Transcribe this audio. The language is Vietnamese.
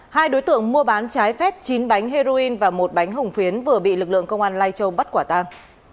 hai đối tượng mua bán trái phép chín bánh heroin và một bánh hồng phiến vừa bị lực lượng công an lai châu bắt quả tang